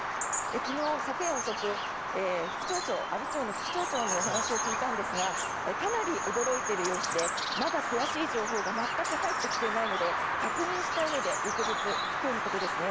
昨日、昨夜遅く阿武町の副町長にお話を聞いたんですがかなり驚いている様子でまだ詳しい情報が全く入ってきていないので確認したうえで翌日、今日のことですね